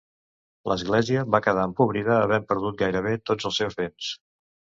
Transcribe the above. L'església va quedar empobrida, havent perdut gairebé tots els seus béns.